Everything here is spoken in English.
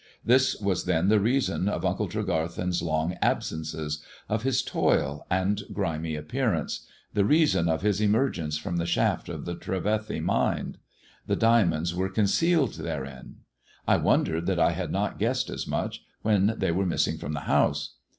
This then was the reason of Uncle Tregarthen's long absences — of his toil and grimy appearance — the reason of his emergence from the shaft of the Trevethj Mine. The diamonds were concealed therein. I wondered that I had not guessed as much, when they were inissing from the house.